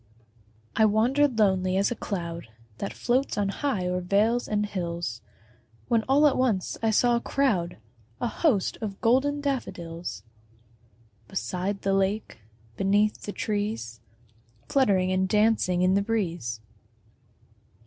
I wander'd lonely as a cloud That floats on high o'er vales and hills, When all at once I saw a crowd, A host of golden daffodils, Beside the lake, beneath the trees, Fluttering and dancing in the breeze.